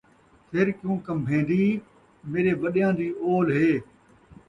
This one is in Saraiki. سر کیوں کمبھین٘دی ؟ میݙے وݙیاں دی اول ہے